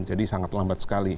jadi sangat lambat sekali